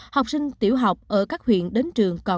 học sinh tiểu học ở các huyện đến trường còn bảy mươi chín